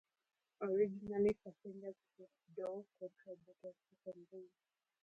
Originally, passengers pressed door-control buttons to open them.